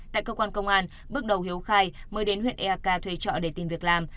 tại cơ quan công an bước đầu hiếu khai mới đến huyện eak thuê trọ để tìm việc làm